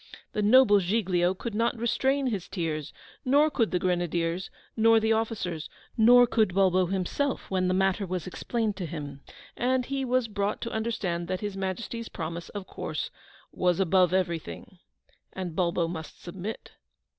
The noble Giglio could not restrain his tears, nor could the Grenadiers, nor the officers, nor could Bulbo himself, when the matter was explained to him, and he was brought to understand that His Majesty's promise, of course, was ABOVE EVERY THING, and Bulbo must submit.